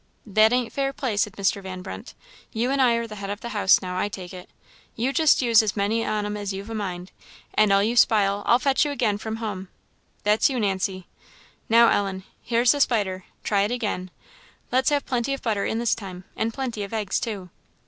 "That ain't fair play," said Mr. Van Brunt; "you and I are the head of the house now, I take it. You just use as many on 'em as you've a mind; and all you spile, I'll fetch you again from hum. That's you, Nancy! Now, Ellen, here's the spider; try it again; let's have plenty of butter in this time, and plenty of eggs, too."